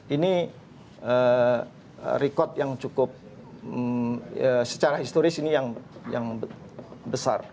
ini rekod yang cukup secara historis ini yang besar